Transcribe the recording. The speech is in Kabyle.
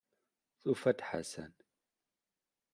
Tufa-d Ḥasan.